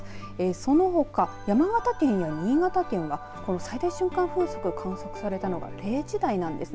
そのほか、山形県や新潟県はこの最大瞬間風速が観測されたのは０時台ですね。